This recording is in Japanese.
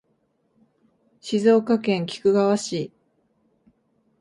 静岡県菊川市